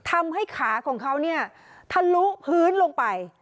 ทำให้ขาของเขาเนี่ยทะลุพื้นลงไป